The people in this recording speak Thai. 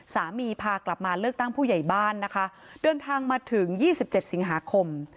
พากลับมาเลือกตั้งผู้ใหญ่บ้านนะคะเดินทางมาถึง๒๗สิงหาคม